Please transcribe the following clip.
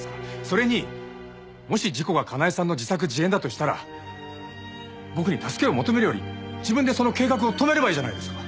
それにもし事故が叶絵さんの自作自演だとしたら僕に助けを求めるより自分でその計画を止めればいいじゃないですか。